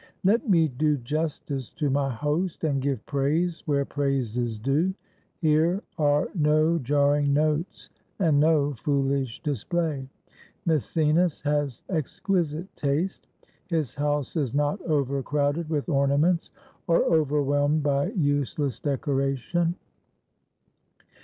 Let me do justice to my host and give praise where praise is due; here are no jarring notes and no f ooHsh display. Maecenas has exquisite taste ; his house is not overcrowded with ornaments or overwhelmed by useless decoration.